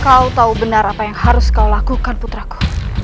kau tahu benar apa yang harus kau lakukan putraku